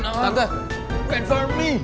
tante tunggu aku